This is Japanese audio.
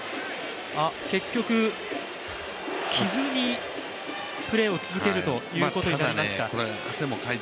結局着ずに、プレーを続けるということになりますか。